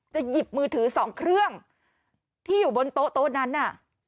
หยิบมือถือสองเครื่องที่อยู่บนโต๊ะนั้นน่ะ